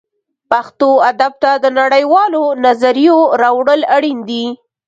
پښتو ادب ته د نړۍ والو نظریو راوړل اړین دي